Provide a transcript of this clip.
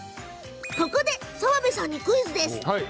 ここで、澤部さんにクイズです。